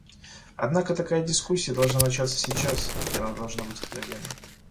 Однако такая дискуссия должна начаться сейчас, и она должны быть откровенной.